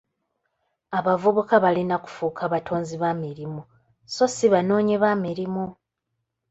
Abavubuka balina kufuuka batonzi ba mirimu so si banoonyi ba mirimu.